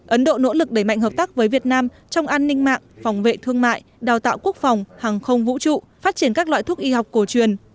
ấn độ nỗ lực đẩy mạnh hợp tác với việt nam trong an ninh mạng phòng vệ thương mại đào tạo quốc phòng hàng không vũ trụ phát triển các loại thuốc y học cổ truyền